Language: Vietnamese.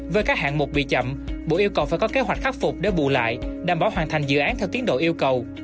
với các hạng mục bị chậm bộ yêu cầu phải có kế hoạch khắc phục để bù lại đảm bảo hoàn thành dự án theo tiến độ yêu cầu